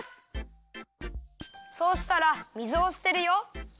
そうしたら水をすてるよ。